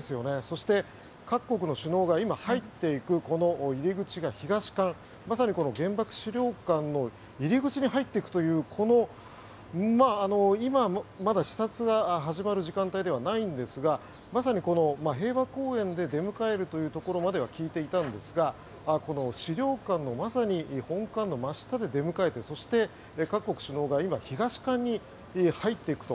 そして、各国の首脳が今、入っていくこの入り口が東館、まさに原爆資料館の入り口に入っていくという今、まだ視察が始まる時間帯ではないんですがまさに平和公園で出迎えるというところまでは聞いていたんですがこの資料館のまさに本館の真下で出迎えてそして各国首脳が今、東館に入っていくと。